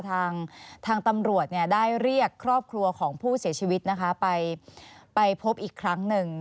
ทางตำรวจได้เรียกครอบครัวของผู้เสียชีวิตนะคะไปพบอีกครั้งหนึ่ง